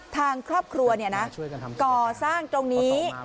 ทางครอบครัวเนี่ยนะก่อสร้างตรงนี้